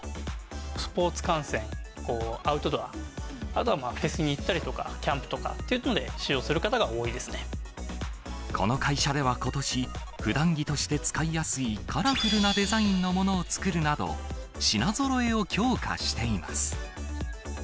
スポーツ観戦、アウトドア、あとはフェスに行ったりとかキャンプとかでっていうので使用するこの会社ではことし、ふだん着として使いやすいカラフルなデザインのものを作るなど、品ぞろえを強化しています。